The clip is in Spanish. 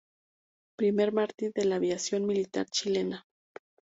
Primer mártir de la aviación militar chilena.